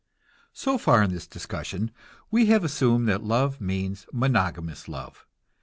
So far in this discussion we have assumed that love means monogamous love.